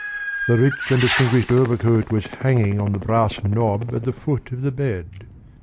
The rich and distinguished overcoat was hanging on the brass knob at the foot of the bed.